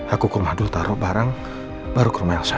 aku ke rumah dultaro bareng baru ke rumah elsa